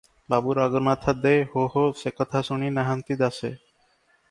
ବାବୁ ରଘୁନାଥ ଦେ- ହୋ-ହୋ! ସେ କଥା ଶୁଣି ନାହାନ୍ତି ଦାସେ?